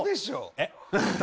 「えっ？」